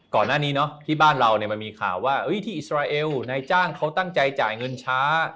ก่อนหน้านี้เนาะที่บ้านเราเนี่ยมันมีข่าวว่าที่อิสราเอลนายจ้างเขาตั้งใจจ่ายเงินช้า